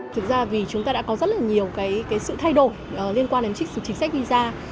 thực ra vì chúng ta đã có rất là nhiều cái sự thay đổi liên quan đến chính sách visa